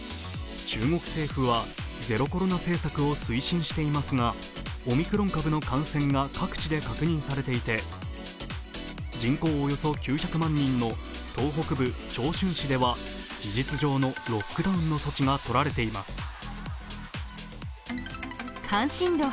中国政府はゼロコロナ政策を推進していますがオミクロン株の感染が各地で確認されていて、人口およそ９００万人の東北部・長春市では事実上のロックダウンの措置が取られています。